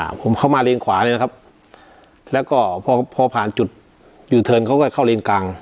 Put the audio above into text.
ผมเข้ามาเลนขวาเลยนะครับแล้วก็พอพอผ่านจุดยูเทิร์นเขาก็เข้าเลนกลาง